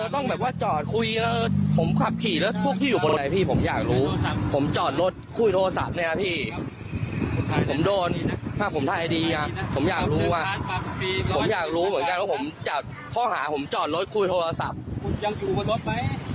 แต่ว่าจอดคุยแล้วผมขับขี่แล้วพวกที่อยู่บนรถยนต์ไหมพี่